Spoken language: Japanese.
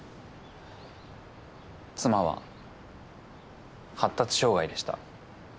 妻は発達障害でした。